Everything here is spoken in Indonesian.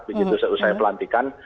begitu selesai pelantikan